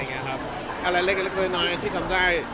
อะไรเล็กน้อยที่ทำได้